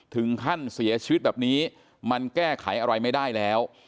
ถึงขั้นเสียชีวิตแบบนี้มันแก้ไขอะไรไม่ได้แล้ว